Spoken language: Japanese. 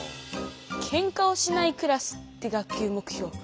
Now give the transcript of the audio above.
「ケンカをしないクラス」って学級目標